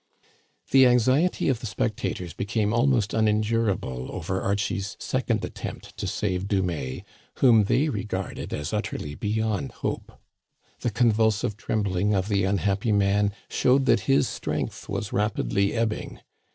The anxiety of the spectators became almost unen durable over Archie's second attempt to save Dumais, whom they regarded as utterly beyond hope. The con vulsive trembling of the unhappy man showed that his strength was rapidly ebbing.